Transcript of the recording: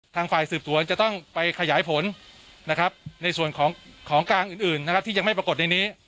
ทางฝ่ายสืบสวนจะต้องไปขยายผลในส่วนของกลางอื่นที่ยังไม่ปรากฏในนี้